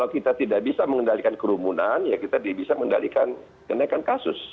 kalau kita tidak bisa mengendalikan kerumunan ya kita bisa mengendalikan kenaikan kasus